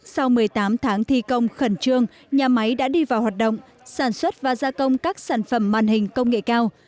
sau một mươi tám tháng thi công khẩn trương nhà máy đã đi vào hoạt động sản xuất và gia công các sản phẩm màn hình công nghệ cao